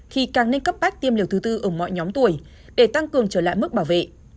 thì càng nên cấp bách tiêm liều thứ tư ở mọi nhóm tuổi để tăng cường trở lại mức bảo vệ